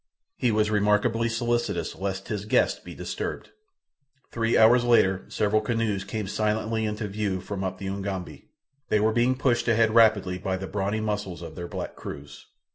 He was remarkably solicitous lest his guest be disturbed. Three hours later several canoes came silently into view from up the Ugambi. They were being pushed ahead rapidly by the brawny muscles of their black crews.